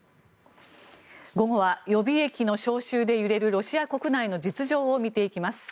午後は予備役の招集で揺れるロシア国内の実情を見ていきます。